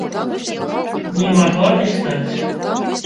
Не магла не стаць.